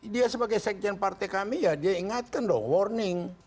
dia sebagai sekjen partai kami ya dia ingatkan dong warning